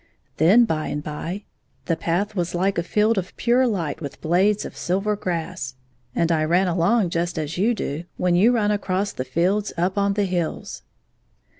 Then by and by the path was Uke i8 a field of pure light with blades of silver grass, and I ran along just as you do when you run across the fields up on the hills."